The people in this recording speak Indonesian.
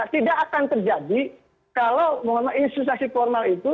tidak akan terjadi kalau mohon maaf institusi formal itu